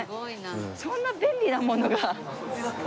そんな便利なものが。